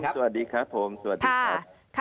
สวัสดีครับ